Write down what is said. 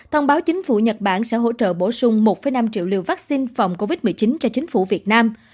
thông báo chính phủ nhật bản sẽ hỗ trợ bổ sung một năm triệu liều vaccine phòng covid một mươi chín cho chính phủ việt nam